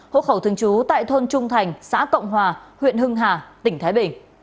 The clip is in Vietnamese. hộ khẩu thường trú tại thôn trung thành xã cộng hòa huyện hưng hà tỉnh thái bình